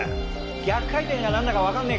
逆回転だかなんだかわかんねえけどよ